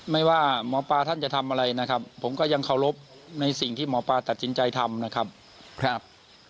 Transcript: ไม่ว่าหมอปลาท่านจะทำอะไรนะครับผมก็ยังเคารพในสิ่งที่หมอปลาตัดสินใจทำนะครับ